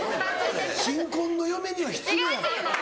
新婚の嫁には失礼やろ。